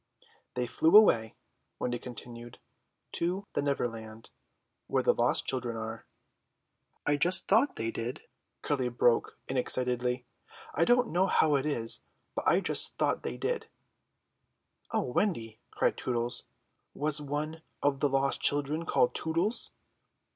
"They flew away," Wendy continued, "to the Neverland, where the lost children are." "I just thought they did," Curly broke in excitedly. "I don't know how it is, but I just thought they did!" "O Wendy," cried Tootles, "was one of the lost children called Tootles?"